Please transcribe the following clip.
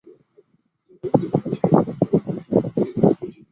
欧洲也曾用野飞燕草治疗一些疾病。